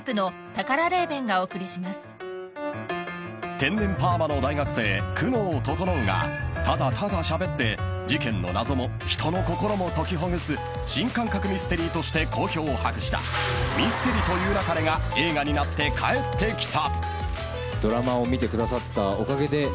［天然パーマの大学生久能整がただただしゃべって事件の謎も人の心も解きほぐす新感覚ミステリーとして好評を博した『ミステリと言う勿れ』が映画になって帰ってきた］